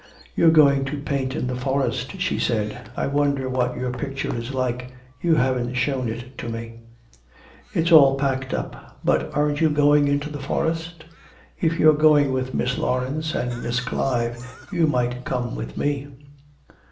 'You're going to paint in the forest,' she said, 'I wonder what your picture is like: you haven't shown it to me.' 'It's all packed up. But aren't you going into the forest? If you're going with Miss Laurence and Miss Clive you might come with me.